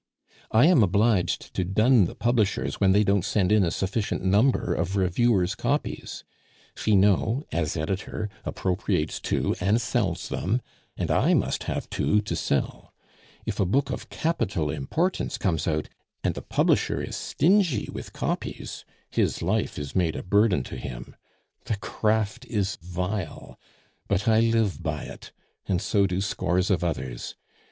"I am obliged to dun the publishers when they don't send in a sufficient number of reviewers' copies; Finot, as editor, appropriates two and sells them, and I must have two to sell. If a book of capital importance comes out, and the publisher is stingy with copies, his life is made a burden to him. The craft is vile, but I live by it, and so do scores of others.